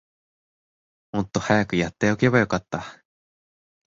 もっと早くやっておけばよかった